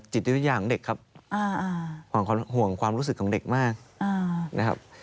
จิตวิญญาณของเด็กครับห่วงความรู้สึกของเด็กมากนะครับ